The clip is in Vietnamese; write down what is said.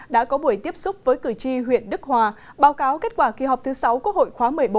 đã có buổi tiếp xúc với cử tri huyện đức hòa báo cáo kết quả kỳ họp thứ sáu quốc hội khóa một mươi bốn